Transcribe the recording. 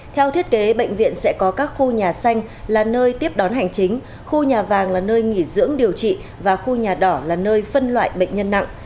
theo thiết kế bệnh viện sẽ có các khu nhà xanh là nơi tiếp đón hành chính khu nhà vàng là nơi nghỉ dưỡng điều trị và khu nhà đỏ là nơi phân loại bệnh nhân nặng